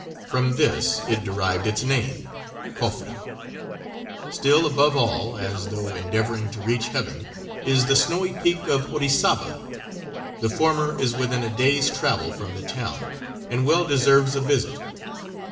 From this it derived its name, "Cofre." Still above all, as though endeavoring to reach heaven, is the snowy peak of Orizaba. The former is within a day's travel from the town, and well deserves a visit.